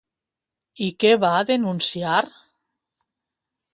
I què va denunciar?